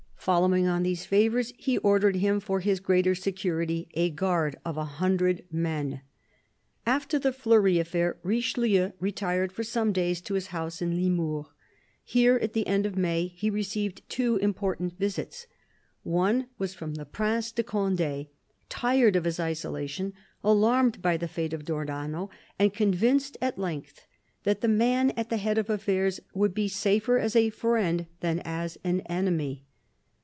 Following on these favours, he ordered him for his greater security a guard of a hundred men. After the Fleury affair, Richelieu retired for some days to his house at Limours. Here, at the end of May, he received two important visits. One was from the Prince de Conde, tired of his isolation, alarmed by the fate of d'Ornano, and convinced at length that the man at the head of affairs would be safer as a friend than as an enemy.